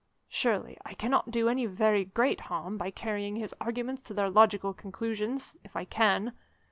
"Surely I cannot do any very great harm by carrying his arguments to their logical conclusions if I can.